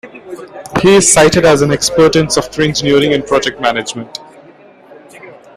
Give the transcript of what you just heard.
He is cited as an expert in software engineering and project management.